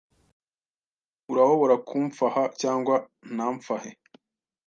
Urahobora kumfaha cyangwa ntamfahe